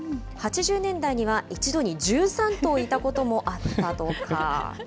８０年代には、一度に１３頭いたこともあったとか。